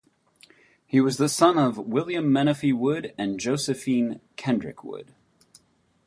He was the son of William Menefee Wood and Josephine (Kendrick) Wood.